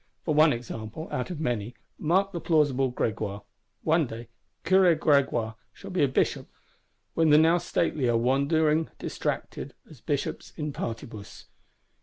For one example, out of many, mark that plausible Grégoire: one day Curé Grégoire shall be a Bishop, when the now stately are wandering distracted, as Bishops in partibus.